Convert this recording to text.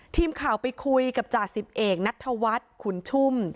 ทีมข่าวไปคุยกับจ่าสิบเอกนัทธวัฒน์ขุนชุ่ม